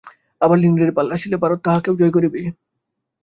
আবার ইংলণ্ডের পালা আসিলে ভারত তাহাকেও জয় করিবে।